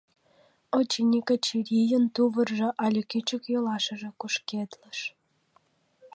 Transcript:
Очыни, Качийын тувыржо але кӱчык йолашыже кушкедлыш.